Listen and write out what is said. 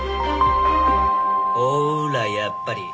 ほらやっぱり。